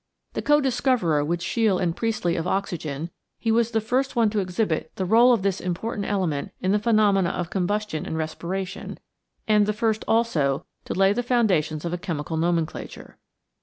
The co discoverer with Scheele and Priestly of oxygen, he was the first one to exhibit the rôle of this important element in the phenomena of combustion and respiration and the first, also, to lay the foundations of a chemical nomenclature.